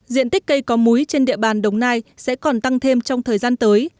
diện tích cây có múi trên địa bàn đồng nai sẽ còn tăng thêm trong thời gian tới